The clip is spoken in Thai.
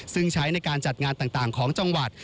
ซึ่งใช้ในการจัดงานต่างของจังหวัด